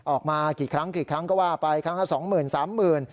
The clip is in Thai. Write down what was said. ออกมากี่ครั้งก็ว่าไปครั้งนั้น๒๐๐๐๐๓๐๐๐๐